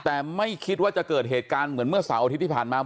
แต่ไม่คิดว่าจะเกิดเหตุการณ์เหมือนเมื่อเสาร์อาทิตย์ที่ผ่านมา